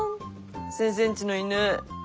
先生んちの犬。